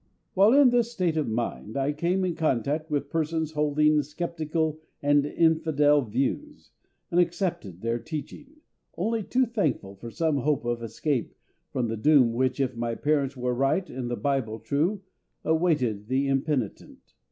While in this state of mind I came in contact with persons holding sceptical and infidel views, and accepted their teaching, only too thankful for some hope of escape from the doom which, if my parents were right and the Bible true, awaited the impenitent.